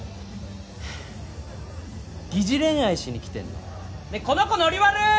はぁ疑似恋愛しに来てんの！ねえこの子ノリ悪い！